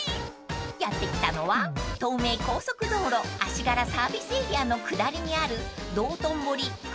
［やって来たのは東名高速道路足柄サービスエリアの下りにある］